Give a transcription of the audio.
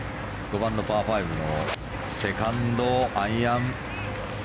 ５番、パー５のセカンド、アイアン。